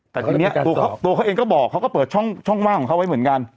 แต่ทีนี้ตัวเขาเองก็บอกเขาก็เปิดช่องว่างของเขาไว้เหมือนกัน